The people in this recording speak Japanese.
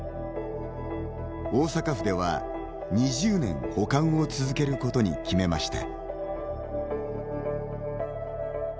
大阪府では２０年保管を続けることに決めました。